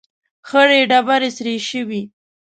، خړې ډبرې سرې شوې.